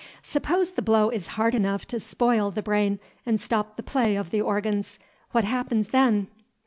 Suppose the blow is hard enough to spoil the brain and stop the play of the organs, what happens them?